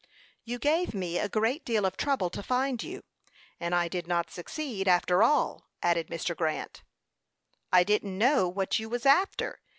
"You gave me a great deal of trouble to find you; and I did not succeed, after all," added Mr. Grant. "I didn't know what you was after.